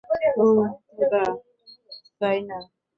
ওহ, খোদা তাই না?